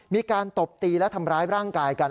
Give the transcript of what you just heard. ตบตีและทำร้ายร่างกายกัน